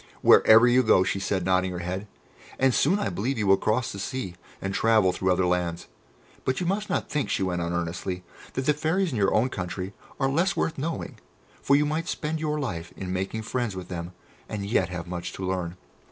"Wherever you go!" she said, nodding her head, "and soon I believe you will cross the sea and travel through other lands. But you must not think," she went on earnestly, "that the Fairies in your own country are less worth knowing, for you might spend your life in making friends with them, and yet have much to learn."